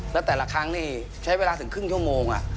แล้วแต่ละครั้งนี่ใช้เวลาถึงครึ่งชั่วโมง